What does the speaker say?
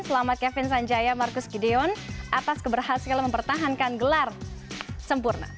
selamat kevin sanjaya marcus gideon atas keberhasilan mempertahankan gelar sempurna